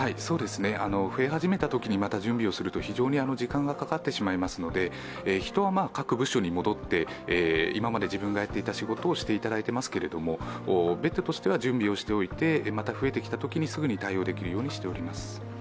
増え始めたときにまた準備をすると非常に時間がかかってしまいますので人は各部署に戻って今まで自分がやっていた仕事をしていただいていますけれども、ベッドとしては準備をしておいて、また増えてきたときにすぐに対応できるようにしております。